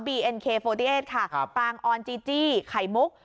บีเอ็นเค๔๘ค่ะปางออนจีจี้ไข่มุก